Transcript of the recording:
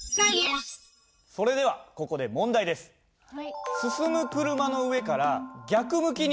それではここで問題です。えっ？